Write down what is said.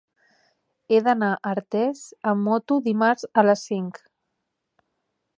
He d'anar a Artés amb moto dimarts a les cinc.